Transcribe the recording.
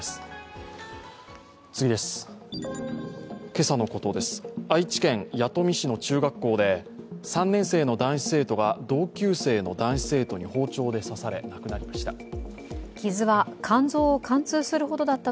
今朝、愛知県弥富市の中学校で３年生の男子生徒が同級生の男子生徒に包丁で刺され、亡くなりました。